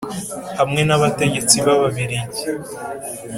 Hamwe n abategetsi b ababirigi